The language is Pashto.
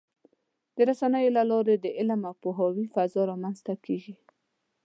د رسنیو له لارې د علم او پوهاوي فضا رامنځته کېږي.